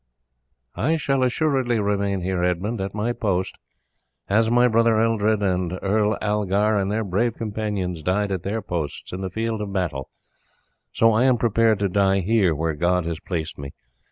"I shall assuredly remain here, Edmund, at my post, and as my brother Eldred and Earl Algar and their brave companions died at their posts in the field of battle, so I am prepared to die here where God has placed me.